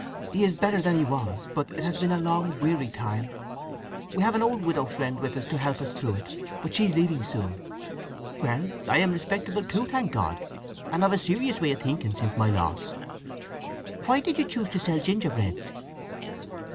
He is better than he was; but it has been a long, weary time! We have had an old widow friend with us to help us through it; but she's leaving soon." "Well, I am respectable too, thank God, and of a serious way of thinking since my loss. Why did you choose to sell gingerbreads?"